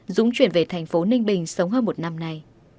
dũng chuyển về thành phố ninh bình sống hơn một năm nay